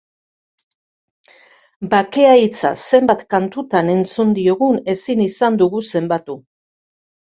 Bakea hitza zenbat kantutan entzun diogun ezin izan dugu zenbatu.